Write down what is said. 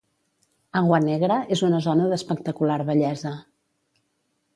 Agua Negra és una zona d'espectacular bellesa.